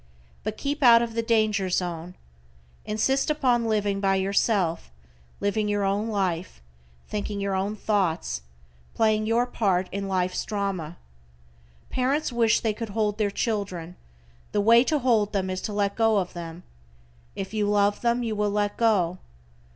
But keep out of the danger zone. Insist upon living by yourself, living your own life, thinking your own thoughts, playing your part in life's drama. Parents wish they could hold their children, the way to hold them is to let go of them. If you love them you will let go.